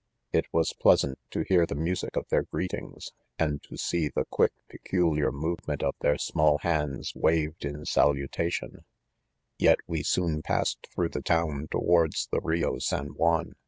It was pleasant to hear the music of their greet ings, and to see the quick, peculiar movement of their small hands, waved in salutation; yet we soon passed through the town towards the Rio San Juan.